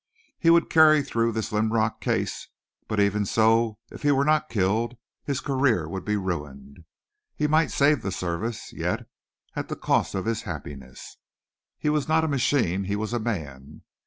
He would carry through this Linrock case; but even so, if he were not killed, his career would be ruined. He might save the Service, yet at the cost of his happiness. He was not a machine; he was a man.